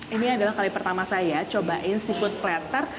ini adalah kali pertama saya cobain seafood platter